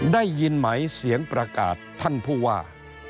ได้ยินไหมเสียงประกาศท่านผู้ว่า